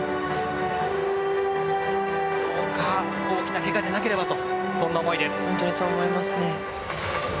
どうか大きなけがでなければという思いです。